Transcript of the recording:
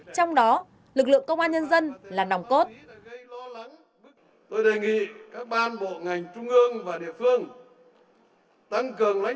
trong đó lực lượng công an nhân dân là nòng cốt